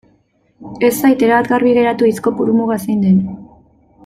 Ez zait erabat garbi geratu hitz kopuru muga zein den.